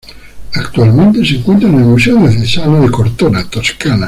Actualmente se encuentra en el Museo Diocesano de Cortona, Toscana.